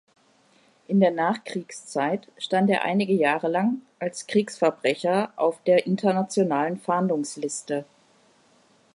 In der Nachkriegszeit stand er einige Jahre lang als Kriegsverbrecher auf der internationalen Fahndungsliste.